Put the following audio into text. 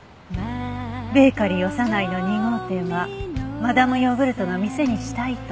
ベーカリーオサナイの２号店はマダム・ヨーグルトの店にしたいと。